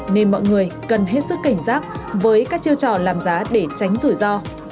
nên mọi người cần hết sức cảnh giác với các chiêu trò làm giá để tránh rủi ro